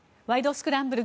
スクランブル」